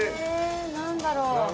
何だろう？